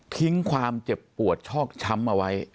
ทิ้งความเจ็บปวดชอกช้ำเอาไว้